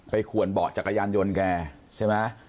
ขวนเบาะจักรยานยนต์แกใช่ไหม